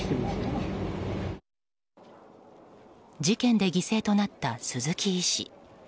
事件で犠牲となった鈴木医師。